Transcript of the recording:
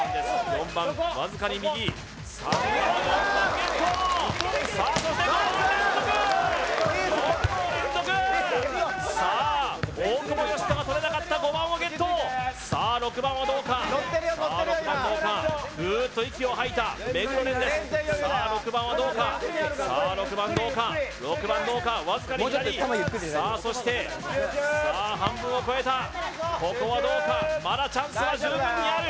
４番わずかに右さあゲットさあそして５番連続４・５連続さあ大久保嘉人がとれなかった５番をゲットさあ６番はどうかさあ６番どうかふうっと息を吐いた目黒蓮ですさあ６番はどうかさあ６番どうか６番どうかわずかに左さあそしてさあ半分を越えたここはどうかまだチャンスは十分にある